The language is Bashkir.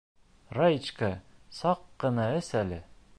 Раечка, саҡ ҡына эс әле...